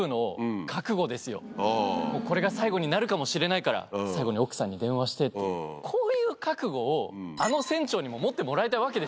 これが最後になるかもしれないから最後に奥さんに電話してこういう覚悟をあの船長にも持ってもらいたいわけですよ。